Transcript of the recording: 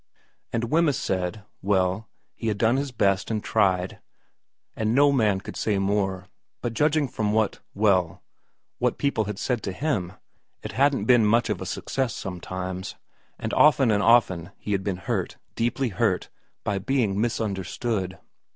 And Wemyss said, Well, he had done his best and tried, and no man could say more, but judging from what well, what people had said to him, it hadn't been much of a success sometimes, and often and often he had been hurt, deeply hurt, by being misunderstood.